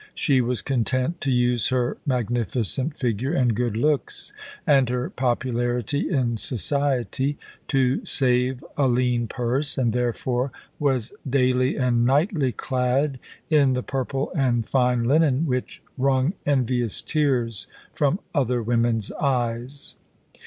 She was content to use her magnificent figure and good looks, and her popularity in society, to save a lean purse, and therefore was daily and nightly clad in the purple and fine linen which wrung envious tears from other women's eyes.